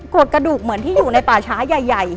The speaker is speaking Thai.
กระดูกเหมือนที่อยู่ในป่าช้าใหญ่